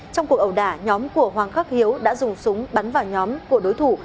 trong cuộc ẩu đả nhóm của hoàng khắc hiếu đã dùng súng bắn vào nhóm của đối thủ